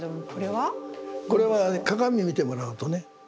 これは鏡見てもらうとね。